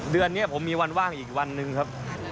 เดือนนี้ผมมีวันว่างอีกวันหนึ่งครับ